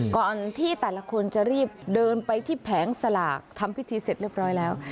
ก่อนที่แต่ละคนจะรีบเดินไปที่แผงสลากทำพิธีเสร็จเรียบร้อยแล้ว